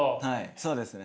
そうですね。